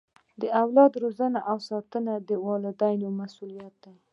د اولاد روزنه او ساتنه د والدینو مسؤلیت دی.